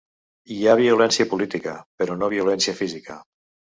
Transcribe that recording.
Hi ha violència política, però no violència física